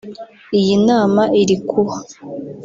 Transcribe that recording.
Iyi nama iri kuba